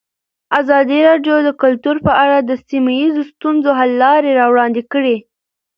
ازادي راډیو د کلتور په اړه د سیمه ییزو ستونزو حل لارې راوړاندې کړې.